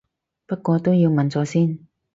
不過都要問咗先